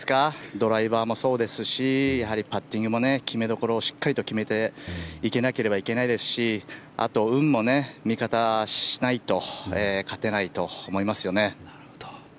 ドライバーもそうですしパッティングも、決めどころをしっかりと決めていかなければいけないですしあと運も味方しないと勝てないと思いますよね。